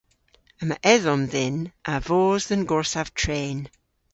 Yma edhom dhyn a vos dhe'n gorsav tren.